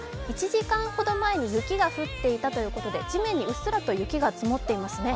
１時間ほど前に雪が降っていたということで、地面にうっすらと雪が積もっていますね。